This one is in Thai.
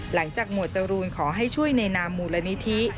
หลังจากมวจรูนขอให้ช่วยในนามมูลนิธิ